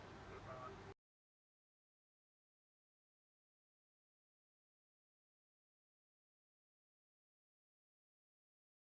baiklah desi arya tonang